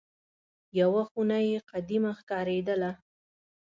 یوه خونه یې قدیمه ښکارېدله.